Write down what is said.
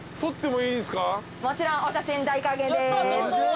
もちろんお写真大歓迎です。